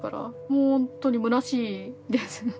もうほんとにむなしいですね。